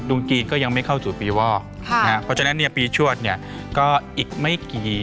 จีนก็ยังไม่เข้าสู่ปีวอกเพราะฉะนั้นเนี่ยปีชวดเนี่ยก็อีกไม่กี่